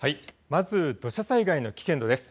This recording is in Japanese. まず土砂災害の危険度です。